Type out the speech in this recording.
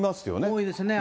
多いですね。